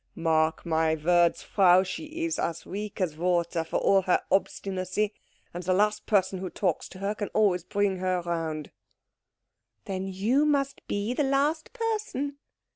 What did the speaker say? "Mark my words, Frau, she is as weak as water for all her obstinacy, and the last person who talks to her can always bring her round." "Then you must be the last person."